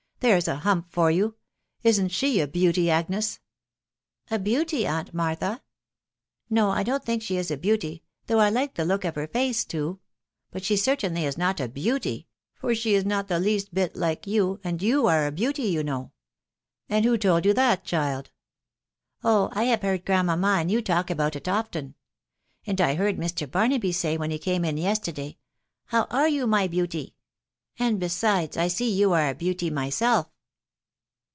..*" There 's a hump for you !••• Isn't she a beauty, Agnes ?" "A beauty, aunt Martha ?•.. No, I don't think she is a tesutX, though Hike the look of her face too \..•• talkie cot *HE WIDOW BABNABY. AS Uinly is not a beauty, for she is not the least bit like 70% and you are a beauty, you know.? " And who told you that, child ?"" Oh ! I have heard grandmamma and you talk about it very often ;.•. and I heard Mr. Barnaby say, when he came in yesterday, * How are you, my beauty ?'•.. and besides I see you are a beauty myself."